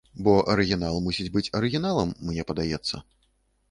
Бо арыгінал мусіць быць арыгіналам, мне падаецца.